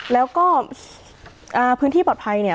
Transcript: แล้วก็พื้นที่ปลอดภัยเนี่ย